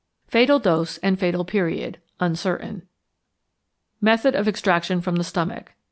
Fatal Dose and Fatal Period. Uncertain. _Method of Extraction from the Stomach.